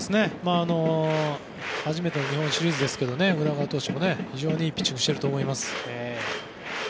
初めての日本シリーズですけど宇田川投手も非常にいいピッチングをしていると思います。